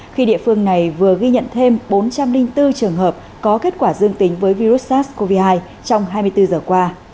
khi địa phương này vừa ghi nhận thêm bốn trăm linh bốn trường hợp có kết quả dương tính với virus sars cov hai trong hai mươi bốn giờ qua